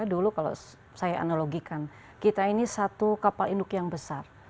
dulu kalau saya analogikan kita ini satu kapal induk yang besar